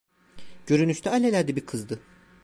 Görünüşte alelade bir kızdı.